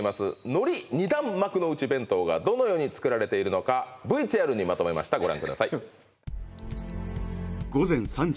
のり２段幕の内弁当がどのように作られているのかＶＴＲにまとめましたご覧ください